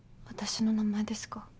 私の名前ですか？